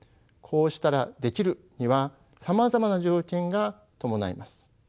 「こうしたらできる」にはさまざまな条件が伴います。